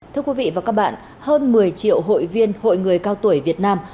thưa quý vị và các bạn hơn một mươi triệu hội viên hội người cao tuổi việt nam